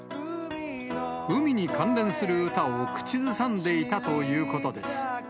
海に関連する歌を口ずさんでいたということです。